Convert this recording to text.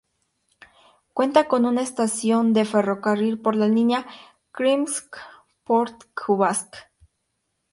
Cuenta con una estación de ferrocarril en la línea Krymsk-Port Kavkaz.